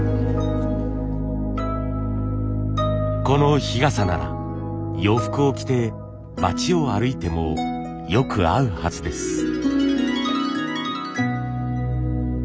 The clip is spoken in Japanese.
この日傘なら洋服を着て街を歩いてもよく合うはずです。